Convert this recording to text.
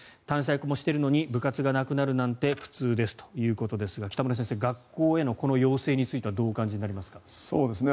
対策もしているのに部活がなくなるなんて苦痛ですということですが北村先生、学校への要請はどうお感じになりますか？